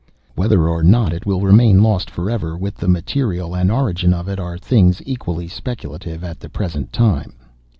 Whether or not it will remain lost for ever, with the material and origin of it, are things equally speculative at the present time.